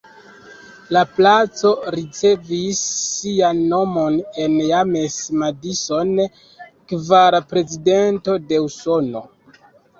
La placo ricevis sian nomon el James Madison, kvara Prezidento de Usono.